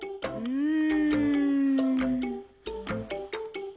うん？